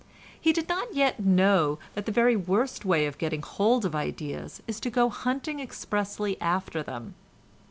He did not yet know that the very worst way of getting hold of ideas is to go hunting expressly after them.